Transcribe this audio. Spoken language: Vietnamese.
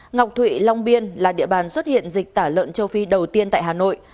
ngọc thụy long biên là địa bàn xuất hiện dịch tả lợn châu phi đầu tiên tại hà nội